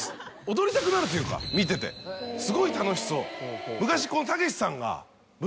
踊りたくなるというか見ててすごい楽しそう。